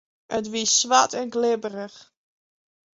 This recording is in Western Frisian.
It wie swart en glibberich.